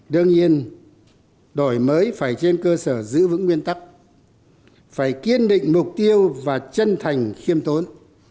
đương nhiên đổi mới phải trên cơ sở giữ vững nguyên tắc phải kiên định mục tiêu và chân thành khiêm tốn